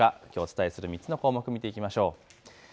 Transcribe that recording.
きょうお伝えする３つの項目を見ていきましょう。